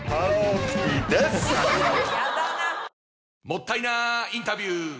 もったいなインタビュー！